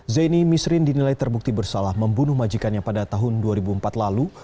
zaini misrin dinilai terbukti bersalah membunuh majikannya pada tahun dua ribu empat lalu